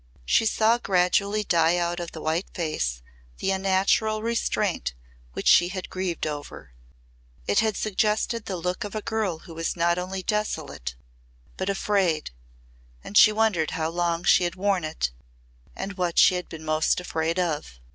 She saw gradually die out of the white face the unnatural restraint which she had grieved over. It had suggested the look of a girl who was not only desolate but afraid and she wondered how long she had worn it and what she had been most afraid of.